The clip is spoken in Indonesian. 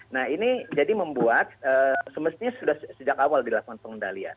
nah ini jadi membuat semestinya sudah sejak awal dilakukan pengendalian